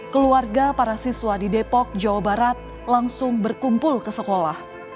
keluarga para siswa di depok jawa barat langsung berkumpul ke sekolah